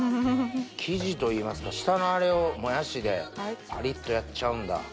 生地といいますか下のあれをもやしでパリっとやっちゃうんだ。